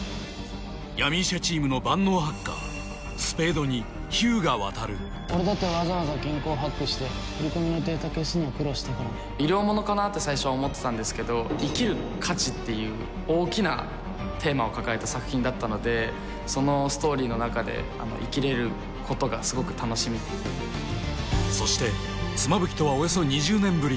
闇医者チームの万能ハッカースペードに日向亘俺だってわざわざ銀行ハックして振り込みのデータ消すの苦労したからね医療ものかなって最初は思ってたんですけど生きる価値っていう大きなテーマを抱えた作品だったのでそのストーリーの中で生きれることがすごく楽しみそして妻夫木とはおよそ２０年ぶり